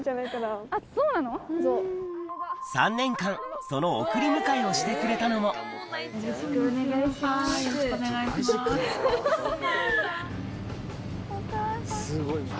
すごい！